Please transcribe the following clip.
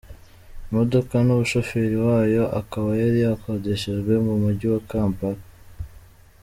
Imodoka n’umushoferi wayo akaba yari yakodeshejwe mu mujyi wa Kampala.